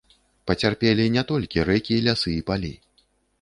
Пацярпелі не толькі рэкі, лясы і палі.